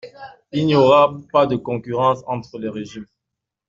Il n’y aura pas de concurrence entre les régimes.